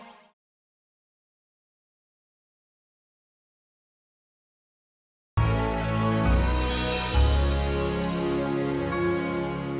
saya mau dengar